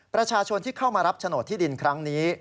ประชาชนที่เข้ามารับโฉนดที่ดินครั้งนี้